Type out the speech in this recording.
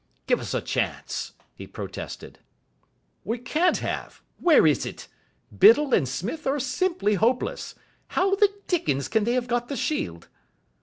"Give us a chance," he protested. "We can't have. Where is it? Biddle and Smith are simply hopeless. How the dickens can they have got the shield?"